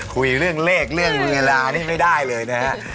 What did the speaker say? คุยเรื่องเลขเรื่องเวลานี่ไม่ได้เลยนะฮะ